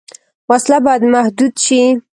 وسله باید محدود شي